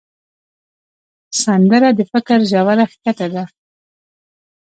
سندره د فکر ژوره ښکته ده